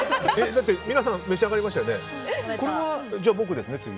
皆さん、召し上がりましたよね。